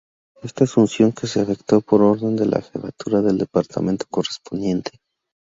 Esta asunción que se efectuó por orden de la Jefatura del Departamento correspondiente.